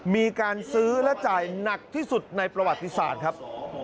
มีการซื้อและจ่ายหนักที่สุดในประวัติศาสตร์ครับ